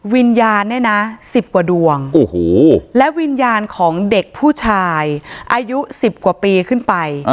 วิญญาณเนี่ยนะ๑๐กว่าดวงและวิญญาณของเด็กผู้ชายอายุ๑๐กว่าปีขึ้นไป